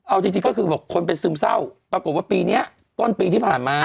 เอาจริงก็คือบอกคนเป็นซึมเศร้าปรากฏว่าปีนี้ต้นปีที่ผ่านมา